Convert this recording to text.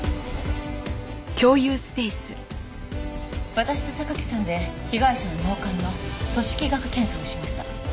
私と榊さんで被害者の脳幹の組織学検査をしました。